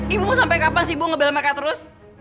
ibu sampai kapan sih ibu ngebel meka terus